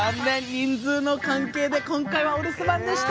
人数の関係で今回はお留守番でした。